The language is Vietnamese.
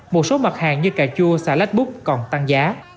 một số mặt hàng như cà chua xà lách bút còn tăng giá